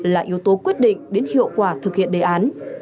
là yếu tố quyết định đến hiệu quả thực hiện đề án